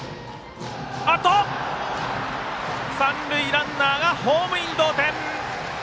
三塁ランナーがホームインで同点。